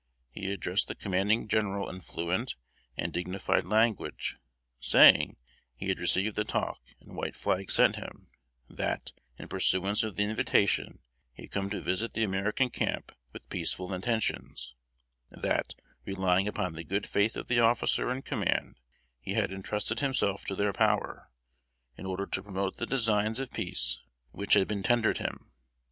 He addressed the Commanding General in fluent and dignified language, saying, he had received the talk and white flag sent him; that, in pursuance of the invitation, he had come to visit the American camp with peaceful intentions; that, relying upon the good faith of the officer in command, he had entrusted himself to their power, in order to promote the designs of peace which had been tendered him.